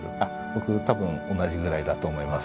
僕多分同じぐらいだと思います。